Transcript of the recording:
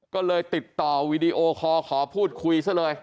ก็เลยติดต่อวีดีโอคอร์ขอพูดคุยซะเลย